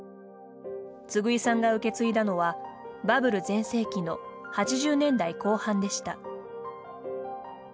次井さんが受け継いだのはバブル全盛期の８０年代後半でした。